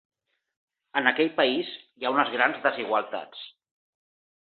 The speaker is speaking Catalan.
En aquell país hi ha unes grans desigualtats.